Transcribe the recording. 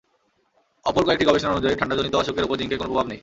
অপর কয়েকটি গবেষণা অনুযায়ী, ঠান্ডাজনিত অসুখের ওপর জিংকের কোনো প্রভাব নেই।